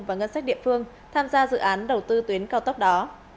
và ngân sách địa phương tham gia dự án đầu tư tuyến cao tốc đó